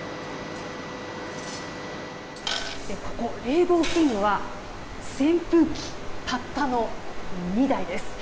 ここ冷房器具は扇風機たったの２台です。